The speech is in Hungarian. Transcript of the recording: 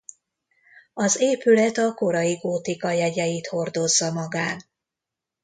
Az épület a korai gótika jegyeit hordozza magán.